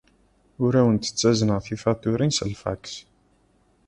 Ur awent-ttazneɣ tifatuṛin s lfaks.